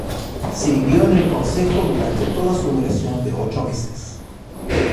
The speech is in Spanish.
Sirvió en el consejo durante toda su duración de ocho meses.